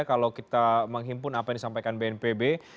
kalau kita menghimpun apa yang disampaikan bnpb